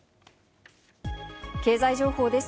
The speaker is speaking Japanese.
経済情報です。